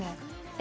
え？